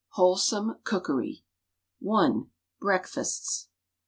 WHOLESOME COOKERY I. BREAKFASTS.